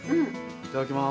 いただきます。